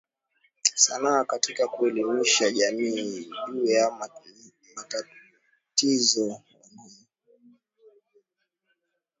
sanaa katika kuelimisha jamii juu ya matatizo wanayokumbana nayo katika maisha yao ya kila